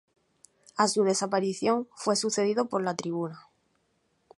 A su desaparición fue sucedido por "La Tribuna".